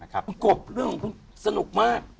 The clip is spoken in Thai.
คุณกบเรื่องของคุณสนุกมาก